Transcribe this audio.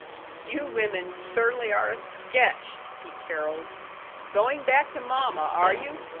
"You women cer'nly are a sketch!" he caroled. "Going back to mamma, are you?